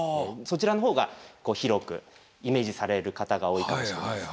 そちらの方が広くイメージされる方が多いかもしれないです。